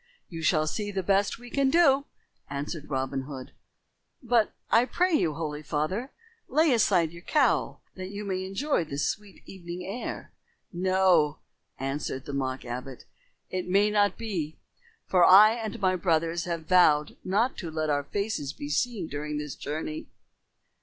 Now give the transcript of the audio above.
"You shall see the very best we can do," answered Robin Hood. "But, I pray you, holy father, lay aside your cowl that you may enjoy this sweet evening air." "No," answered the mock abbot. "It may not be, for I and my brothers have vowed not to let our faces be seen during this journey."